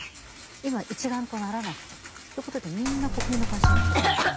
今一丸とならなくちゃということでみんな国民の関心がそこに行きます。